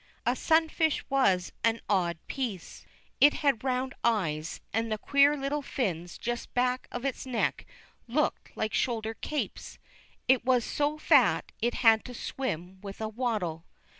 A sunfish was an odd piece. It had round eyes, and the queer little fins just back of its neck looked like shoulder capes. It was so fat it had to swim with a waddle.